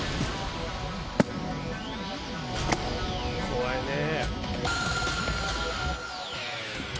怖いね。